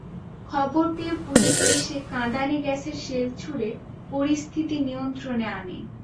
খবর পেয়ে পুলিশ এসে কাঁদানে গ্যাসের শেল ছুড়ে পরিস্থিতি নিয়ন্ত্রণে আনে।